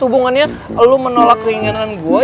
hubungannya lo menolak keinginan gua